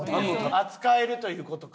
扱えるという事か。